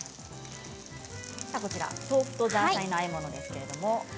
豆腐とザーサイのあえ物ですけれども。